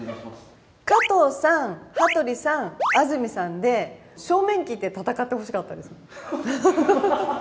加藤さん、羽鳥さん、安住さんで正面切って戦ってほしかったです。